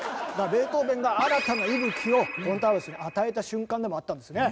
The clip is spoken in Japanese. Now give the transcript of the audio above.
ベートーヴェンが新たな息吹をコントラバスに与えた瞬間でもあったんですね。